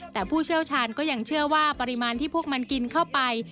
แต่ผู้เชี่ยวชาญก็ยังเชื่อว่าปริมาณที่พวกมันกินเข้าไป